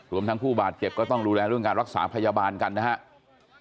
รวมทั้งผู้บาดเจ็บก็ต้องดูแลเรื่องการรักษาพยาบาลกันนะครับ